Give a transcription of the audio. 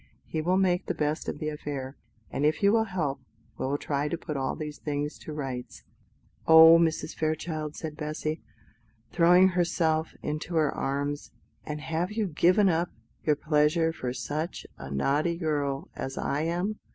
He will make the best of the affair, and if you will help, we will try to put all these things to rights." "Oh, Mrs. Fairchild," said Bessy, throwing herself into her arms, "and have you given up your pleasure for such a naughty girl as I am?"